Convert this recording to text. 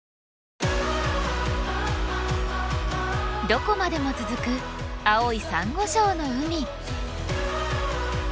どこまでも続く青いサンゴ礁の海。